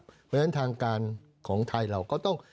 เพราะฉะนั้นทางการของไทยเราก็ต้อง